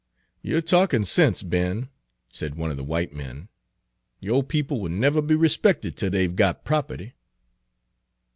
"You're talkin' sense, Ben," said one of the white men. "Yo'r people will never be respected till they 've got property."